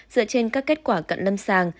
dựa trên các kết quả cận lâm sàng